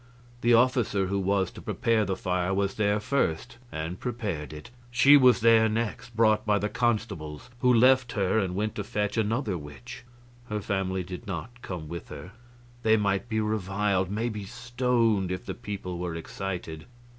The officer who was to prepare the fire was there first, and prepared it. She was there next brought by the constables, who left her and went to fetch another witch. Her family did not come with her. They might be reviled, maybe stoned, if the people were excited.